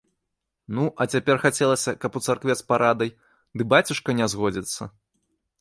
Ну, а цяпер хацелася, каб у царкве з парадай, ды бацюшка не згодзіцца?